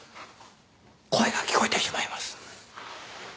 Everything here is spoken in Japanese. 声が聞こえてしまいます。